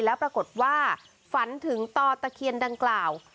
แล้วปรากฏว่าฝันถึงต่อตะเคียนดังกล่าว